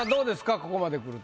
ここまでくると。